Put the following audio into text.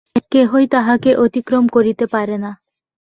কেহই তাঁহাকে অতিক্রম করিতে পারে না।